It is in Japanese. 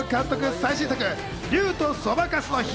最新作『竜とそばかすの姫』。